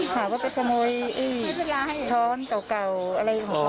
หาว่าไปขโมยช้อนเก่าอะไรของเขา